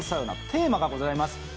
テーマがございます。